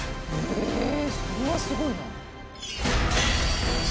それはすごいな。